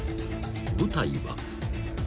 ［舞台は］